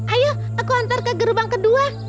ayo aku antar ke gerbang kedua